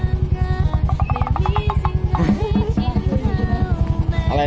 ไม่มีหรือ